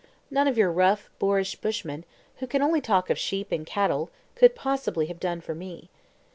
None of your rough, boorish bushmen, who can only talk of sheep and cattle, could possibly have done for me.